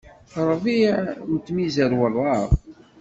Ṛbiɛ n tmizar weṛṛaɣ.